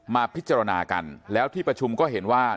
มาพิจารณากันแล้วที่ประชุมก็เห็นว่า